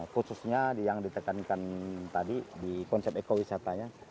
khususnya yang ditekankan tadi di konsep ekowisatanya